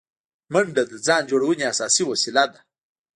منډه د ځان جوړونې اساسي وسیله ده